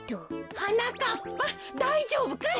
はなかっぱだいじょうぶかい？